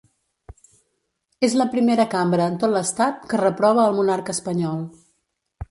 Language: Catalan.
És la primera cambra en tot l’estat que reprova el monarca espanyol.